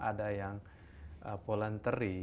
ada yang voluntary